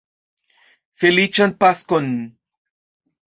Feliĉan Paskon!